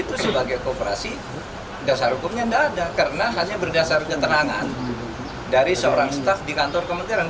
terima kasih dasar hukumnya tidak ada karena hanya berdasar keterangan dari seorang staf di kantor kementerian